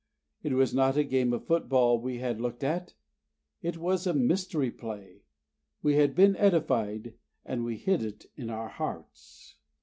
It was not a game of football we had looked at, it was a Mystery Play: we had been edified, and we hid it in our hearts."